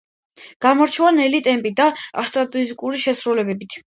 გამოირჩევა ნელი ტემპითა და აკუსტიკური შესრულებით.